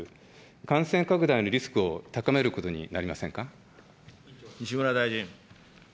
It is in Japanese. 感染拡大のリスクを高めることに西村大臣。。